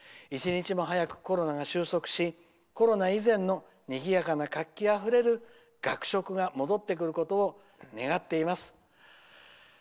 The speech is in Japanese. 一日も早くコロナが収束しコロナ以前のにぎやかな活気あふれる学食が戻ってくることを願っています」。